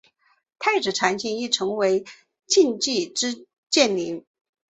太子长琴亦成为焚寂之剑灵。